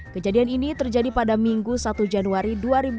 kejadian ini terjadi pada minggu satu januari dua ribu dua puluh